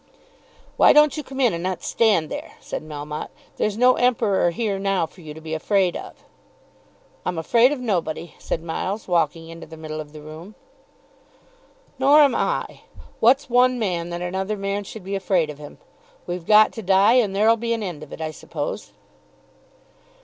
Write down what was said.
"Why don't you come in, and not stand there?" said Melmotte. "There's no Emperor here now for you to be afraid of." "I'm afraid of nobody," said Miles, walking into the middle of the room. "Nor am I. What's one man that another man should be afraid of him? We've got to die, and there'll be an end of it, I suppose."